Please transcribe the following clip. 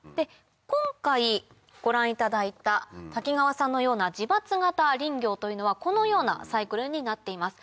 今回ご覧いただいた滝川さんのような自伐型林業というのはこのようなサイクルになっています。